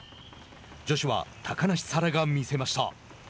女子は高梨沙羅が見せました。